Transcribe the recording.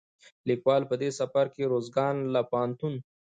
ليکوال په دې سفر کې روزګان له پوهنتون،